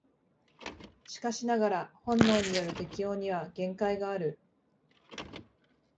しかしながら本能による適応には限界がある。